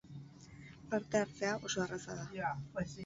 Parte hartzea oso erraza da!